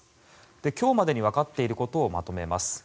今日までに分かっていることをまとめます。